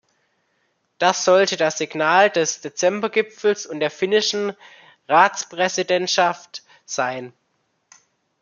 Das sollte das Signal des Dezember-Gipfels und der finnischen Ratspräsidentschaft sein.